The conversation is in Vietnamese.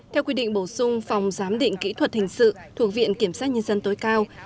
theo quy định bổ sung phòng giám định kỹ thuật hình sự thuộc viện kiểm sát nhân dân tối cao